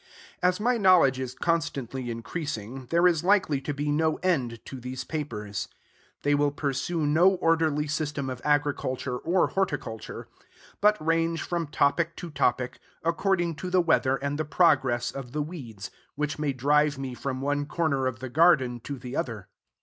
As my knowledge is constantly increasing, there is likely to be no end to these papers. They will pursue no orderly system of agriculture or horticulture, but range from topic to topic, according to the weather and the progress of the weeds, which may drive me from one corner of the garden to the other.